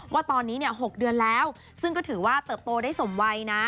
ว่าตอนนี้๖เดือนแล้วซึ่งก็ถือว่าเติบโตได้สมวัยนะ